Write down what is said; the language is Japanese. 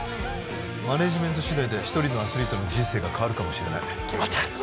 マネージメント次第で一人のアスリートの人生が変わるかもしれない・決まった！